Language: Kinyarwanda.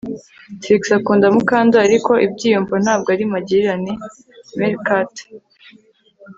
Trix akunda Mukandoli ariko ibyiyumvo ntabwo ari magirirane meerkat